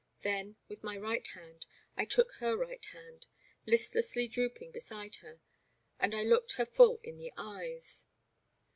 Then, with my right hand, I took her right hand, listlessly drooping beside her, and I looked her full in the eyes.